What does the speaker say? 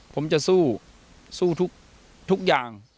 ผมจะสู้สู้ทุกอย่าง